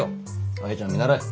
愛ちゃんを見習え。